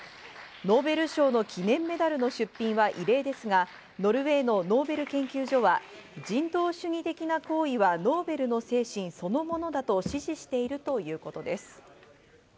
ノーベル賞の記念メダルの出品は異例ですが、ノルウェーのノーベル研究所は人道主義的な行為はノーベルの精神そのものだと、支持しているということです。